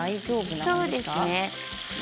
そうですね。